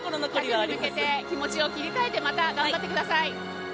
１００に向けて気持ちを切り替えて頑張ってください。